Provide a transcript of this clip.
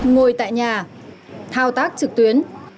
ngồi tại nhà thao tác trực tuyến